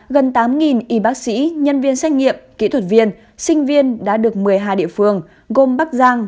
gần tám y bác sĩ nhân viên xét nghiệm kỹ thuật viên sinh viên đã được một mươi hai địa phương gồm bắc giang